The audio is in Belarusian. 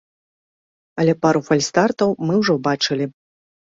Але пару фальстартаў мы ўжо бачылі.